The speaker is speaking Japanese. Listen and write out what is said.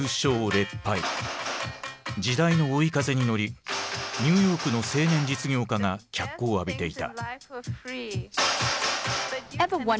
劣敗時代の追い風に乗りニューヨークの青年実業家が脚光を浴びていた。